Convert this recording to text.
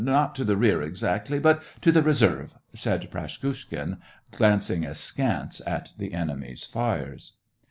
not to the rear exactly, but to the reserve," said Praskukhin, glancing askance at the enemy's fires.